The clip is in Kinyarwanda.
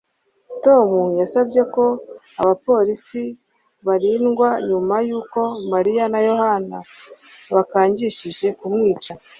Tom yasabye ko abapolisi barindwa nyuma yuko Mariya na Yohani bakangishije kumwica